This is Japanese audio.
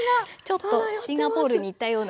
ちょっとシンガポールに行ったような。